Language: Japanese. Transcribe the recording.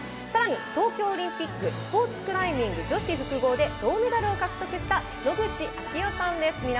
さらに、東京オリンピックスポーツクライミング女子複合で銅メダルを獲得した野口啓代さんです。